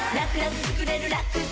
つくれるラクサ